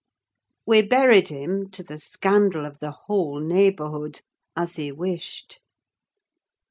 We buried him, to the scandal of the whole neighbourhood, as he wished.